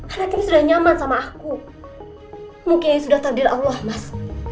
anak ini sudah nyaman sama aku mungkin sudah takdir allah mas